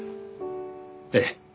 ええ。